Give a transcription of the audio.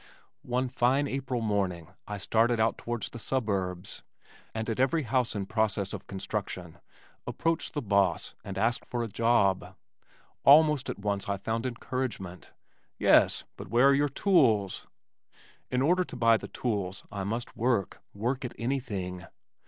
One fine April morning I started out towards the suburbs, and at every house in process of construction approached the boss and asked for a job. Almost at once I found encouragement. "Yes, but where are your tools?" In order to buy the tools I must work, work at anything.